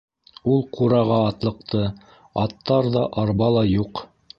Ул ҡураға атлыҡты: аттар ҙа, арба ла юҡ.